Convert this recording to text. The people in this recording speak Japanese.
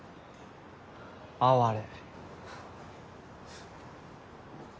哀れ。